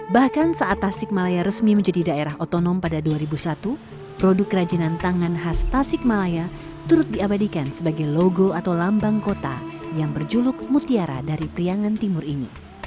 bahkan saat tasik malaya resmi menjadi daerah otonom pada dua ribu satu produk kerajinan tangan khas tasik malaya turut diabadikan sebagai logo atau lambang kota yang berjuluk mutiara dari priangan timur ini